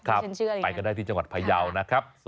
ไปกันได้ที่จังหวัดพยาวนะครับ